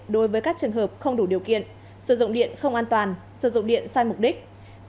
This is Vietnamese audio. đối với các trường hợp không đủ điều kiện sử dụng điện không an toàn sử dụng điện sai mục đích